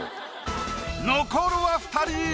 残るは二人。